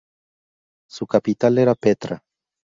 Su capital era Petra.